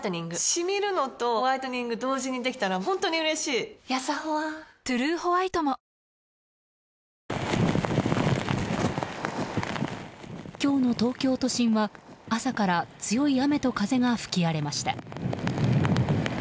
シミるのとホワイトニング同時にできたら本当に嬉しいやさホワ「トゥルーホワイト」も今日の東京都心は、朝から強い雨と風が吹き荒れました。